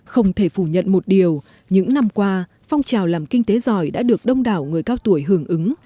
không thể phủ nhận một điều những năm qua phong trào làm kinh tế giỏi đã được đông đảo người cao tuổi hưởng ứng